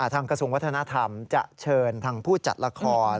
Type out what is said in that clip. กระทรวงวัฒนธรรมจะเชิญทางผู้จัดละคร